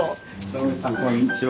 タモリさんこんにちは。